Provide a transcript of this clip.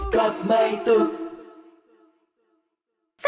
กลับใหม่ตุ๊ก